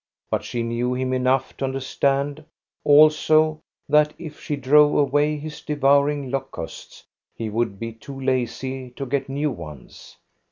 But she knew him enough to understand, also, that if she drove away his devouring locusts, he would be too lazy to get new ones.